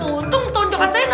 untung tonggakannya juga